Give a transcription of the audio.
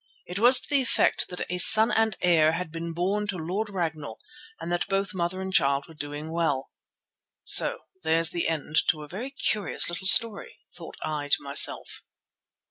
It was to the effect that a son and heir had been born to Lord Ragnall and that both mother and child were doing well. So there's the end to a very curious little story, thought I to myself.